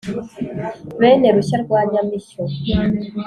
bene rushya rwa nyamishyo